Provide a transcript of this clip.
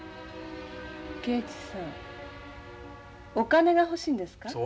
刑事さんお金が欲しいんですか？